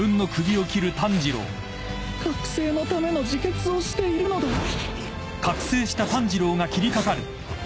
覚醒のための自決をしているのだうっ！